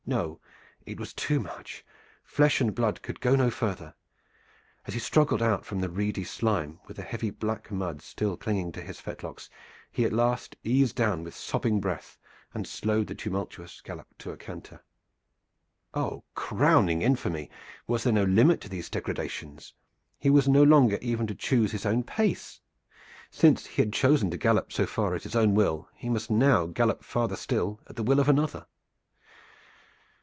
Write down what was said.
No, it was too much! Flesh and blood could go no farther. As he struggled out from the reedy slime with the heavy black mud still clinging to his fetlocks, he at last eased down with sobbing breath and slowed the tumultuous gallop to a canter. Oh, crowning infamy! Was there no limit to these degradations? He was no longer even to choose his own pace. Since he had chosen to gallop so far at his own will he must now gallop farther still at the will of another.